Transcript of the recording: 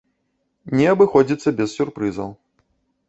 Не абыходзіцца без сюрпрызаў.